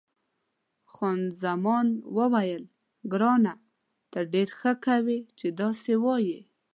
خان زمان وویل، ګرانه ته ډېره ښه کوې چې داسې وایې.